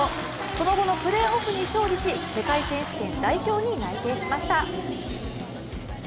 その後のプレーオフに勝利し世界選手権代表に内定しました。